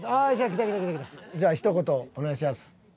じゃあひと言お願いします。